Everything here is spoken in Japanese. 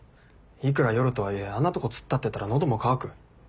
いくら夜とはいえあんなとこ突っ立ってたら喉も渇く。